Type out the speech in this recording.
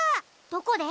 どこで？